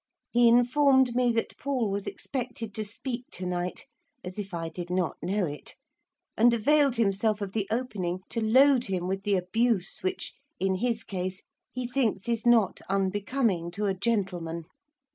He informed me that Paul was expected to speak to night, as if I did not know it! and availed himself of the opening to load him with the abuse which, in his case, he thinks is not unbecoming to a gentleman.